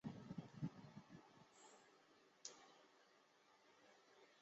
梁山镇是中国山东省济宁市梁山县下辖的一个镇。